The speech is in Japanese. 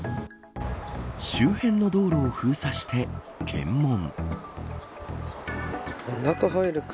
周辺の道路を封鎖して検問。